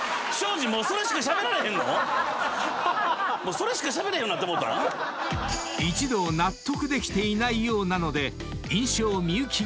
それしかしゃべれへんようになってもうた⁉［一同納得できていないようなので］